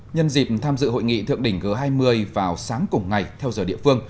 nhân dịp tham dự hội nghị thượng đỉnh g hai mươi vào sáng cùng ngày theo giờ địa phương